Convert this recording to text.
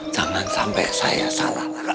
jangan sampai saya salah